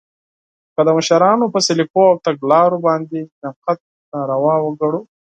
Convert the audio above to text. که د مشرانو په سلیقو او تګلارو باندې نقد ناروا وګڼو